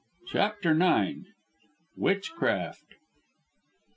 CHAPTER IX. WITCHCRAFT.